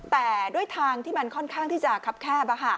แต่ด้วยทางที่มันค่อนข้างที่จะคับแคบ